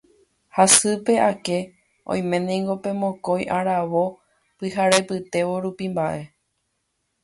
hasýpe ake oiménengo pe mokõi aravo pyharepytévo rupi mba'e.